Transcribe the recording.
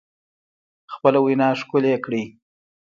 خپله وینا ښکلې کړئ